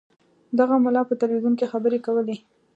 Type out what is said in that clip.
دغه ملا په تلویزیون کې خبرې کولې.